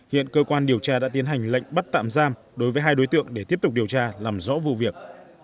hiện cơ quan điều tra đã tiến hành lệnh bắt tạm giam đối với hai đối tượng để tiếp tục điều tra làm rõ vụ việc